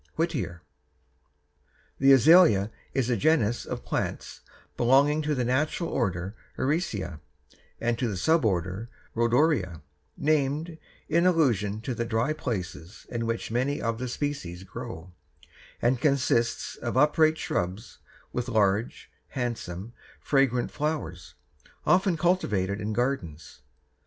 Whittier. The azalea is a genus of plants belonging to the natural order Ericeæ and to the sub order Rhodoreæ named in allusion to the dry places in which many of the species grow, and consists of upright shrubs with large, handsome, fragrant flowers, often cultivated in gardens.